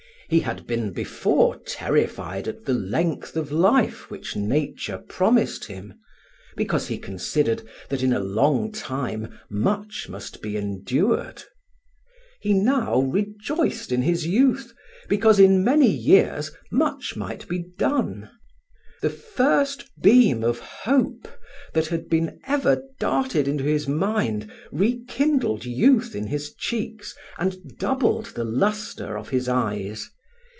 He had been before terrified at the length of life which nature promised him, because he considered that in a long time much must be endured: he now rejoiced in his youth, because in many years much might be done. The first beam of hope that had been ever darted into his mind rekindled youth in his cheeks, and doubled the lustre of his eyes.